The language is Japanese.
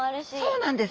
そうなんです。